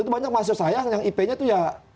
banyak masyarakat yang ip nya itu ya